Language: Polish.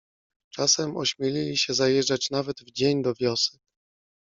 Czasem ośmielili się zajeżdżać nawet w dzień do wiosek.